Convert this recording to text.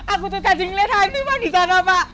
aku tuh tadi ngeliat hantu mah di sana pak